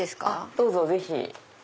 どうぞぜひ。